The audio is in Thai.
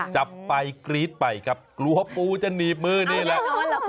จับไปกรี๊ดไปครับกลัวปูจะหนีบมือนี่แหละ